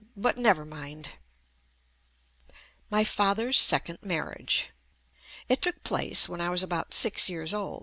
But never mind My father's second marriage ! It took place when I was about six years old.